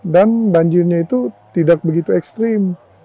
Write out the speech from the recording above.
dan banjirnya itu tidak begitu ekstrim